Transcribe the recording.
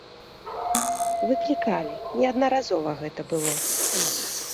Выклікалі, неаднаразова гэта было.